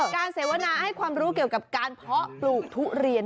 เสวนาให้ความรู้เกี่ยวกับการเพาะปลูกทุเรียน